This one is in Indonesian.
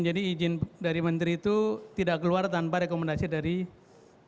jadi izin dari menteri itu tidak keluar tanpa rekomendasi dari pemdaka pemerintah